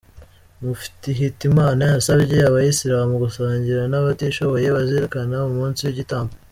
Mufti Hitimana yasabye abayisilamu gusangira n’abatishoboye bazirikana umunsi w’igitambo.